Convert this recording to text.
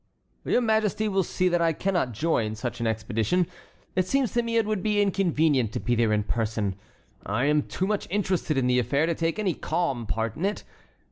"Your Majesty will see that I cannot join such an expedition. It seems to me it would be inconvenient to be there in person. I am too much interested in the affair to take any calm part in it.